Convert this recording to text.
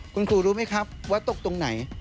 คุณครูรู้ไหมครับว่าตกตรงไหน